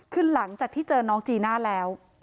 คือหลังจากที่เจอน้องจีน่าแล้ว